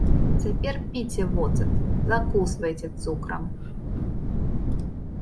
Цяпер піце воцат, закусвайце цукрам.